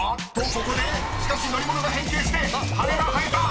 ここで乗り物が変形して羽が生えた！］